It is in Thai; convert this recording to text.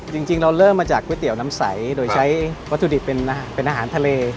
จริงเราเริ่มมาจากก๋วยเตี๋ยวน้ำใสโดยใช้วัตถุดิบเป็นอาหารทะเล